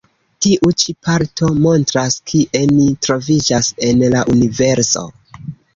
Tiu ĉi parto montras kie ni troviĝas en la Universo.